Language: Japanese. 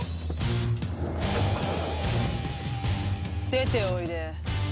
出ておいで。